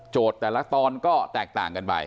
แต่ละตอนก็แตกต่างกันไป